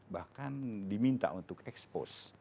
bahkan diminta untuk expose